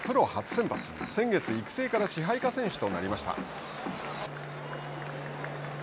先月育成から支配下選手となりました。